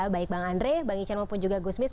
baik bang andre bang isyan maupun juga gus mis